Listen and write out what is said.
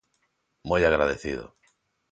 Moi agradecido.